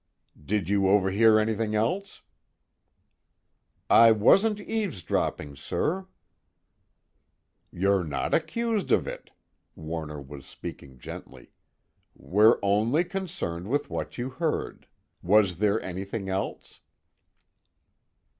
"Did you overhear anything else?" "I wasn't eavesdropping, sir." "You're not accused of it." Warner was speaking gently. "We're only concerned with what you heard. Was there anything else?"